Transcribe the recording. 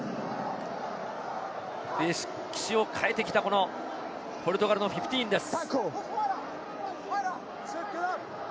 歴史を変えてきたポルトガルのフィフティーンです。